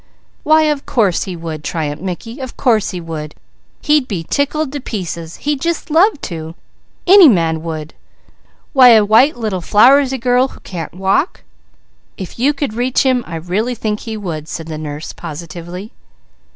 "Why of course he would!" triumphed Mickey. "Of course he would! He'd be tickled to pieces! He'd just love to! Any man would! Why a white little flowersy girl who can't walk !" "If you could reach him, I really think he would," said the nurse positively.